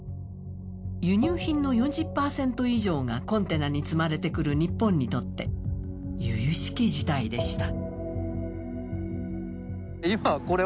輸入品の４０％以上がコンテナに積まれてくる日本にとって由々しき事態でした。